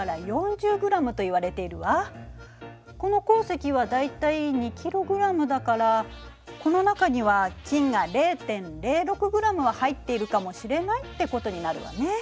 この鉱石は大体２ｋｇだからこの中には金が０．０６ｇは入っているかもしれないってことになるわね。